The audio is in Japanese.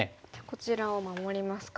こちらを守りますか。